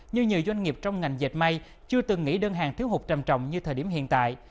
nhưng nhiều doanh nghiệp trong ngành dệt may chưa từng nghĩ đơn hàng thiếu hụt trầm trọng như thời điểm hiện tại